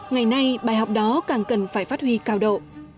ngày nay bài học đó càng cần phải phát huy cao độ